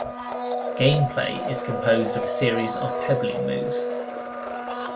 'Game play' is composed of a series of pebbling moves.